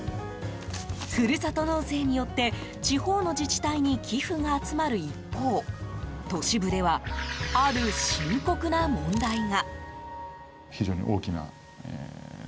ふるさと納税によって地方の自治体に寄付が集まる一方都市部ではある深刻な問題が。